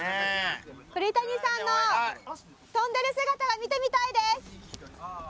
栗谷さんの跳んでる姿を見てみたいです。